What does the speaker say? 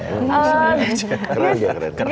keren ya keren